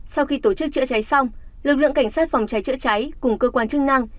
sau khi tổ chức chữa cháy xong lực lượng cảnh sát phòng cháy chữa cháy cùng cơ quan chức năng